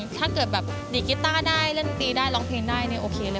ถ้าเกิดแบบดีดกีต้าได้เล่นดนตรีได้ร้องเพลงได้เนี่ยโอเคเลย